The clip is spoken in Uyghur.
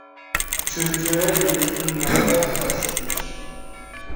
چۆچۈرە يېيىشتىن مەقسەت گۆش يېيىش